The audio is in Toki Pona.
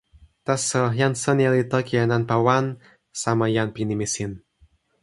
taso jan Sonja li toki e nanpa wan, sama jan pi nimi sin.